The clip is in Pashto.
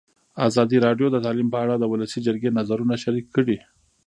ازادي راډیو د تعلیم په اړه د ولسي جرګې نظرونه شریک کړي.